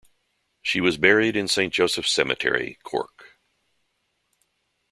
She was buried in Saint Joseph's Cemetery, Cork.